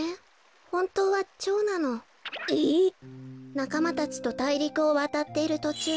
なかまたちとたいりくをわたっているとちゅう